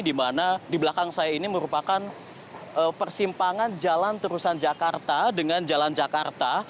di mana di belakang saya ini merupakan persimpangan jalan terusan jakarta dengan jalan jakarta